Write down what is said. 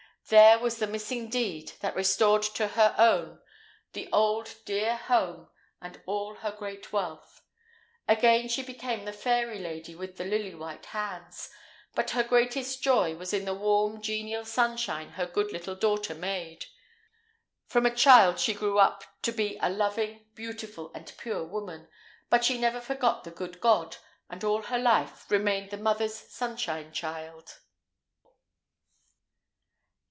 There was the missing deed, that restored to her her own the dear old home, and all her great wealth. Again she became the fair lady with the lily white hands; but her greatest joy was in the warm, genial sunshine her good little daughter made. From a child she grew up to be a loving, beautiful, and pure woman. But she never forgot the good God, and, all her life, remained the mother's sunshine child.